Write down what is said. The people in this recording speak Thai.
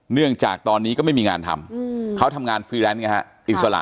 เนื่องจากตอนนี้ก็ไม่มีงานทำเขาทำงานฟรีแลนซ์ไงฮะอิสระ